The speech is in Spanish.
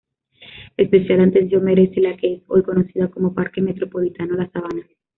Especial atención merece la que es hoy conocida como Parque Metropolitano La Sabana.